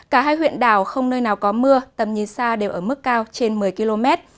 cả hai huyện đảo không nơi nào có mưa tầm nhìn xa đều ở mức cao trên một mươi km